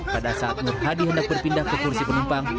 pada saat nur hadi hendak berpindah ke kursi penumpang